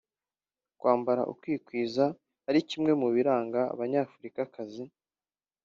kwambara ukikwiza ari kimwe mu biranga abanyafurikakazi